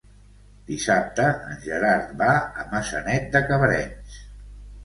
Dissabte en Gerard va a Maçanet de Cabrenys.